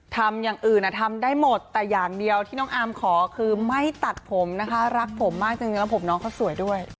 ทำอย่างอื่นทำได้หมดแต่อย่างเดียวที่น้องอาร์มขอคือไม่ตัดผมนะคะรักผมมากจริงแล้วผมน้องเขาสวยด้วย